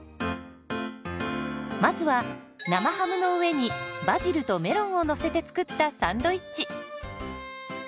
まずは生ハムの上にバジルとメロンをのせて作ったサンドイッチ。